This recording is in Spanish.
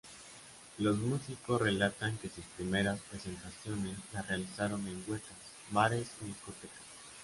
Los músicos relatan que sus primeras presentaciones las realizaron en huecas, bares y discotecas.